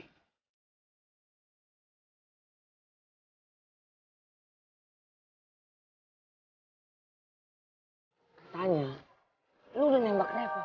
katanya lo udah nembak refah